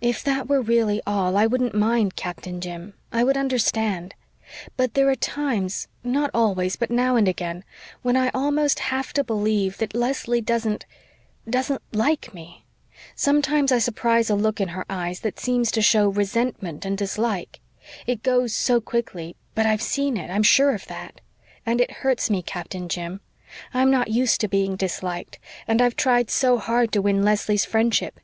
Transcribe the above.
"If that were really all, I wouldn't mind, Captain Jim. I would understand. But there are times not always, but now and again when I almost have to believe that Leslie doesn't doesn't like me. Sometimes I surprise a look in her eyes that seems to show resentment and dislike it goes so quickly but I've seen it, I'm sure of that. And it hurts me, Captain Jim. I'm not used to being disliked and I've tried so hard to win Leslie's friendship."